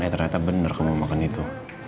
eh ternyata benar kamu makan itu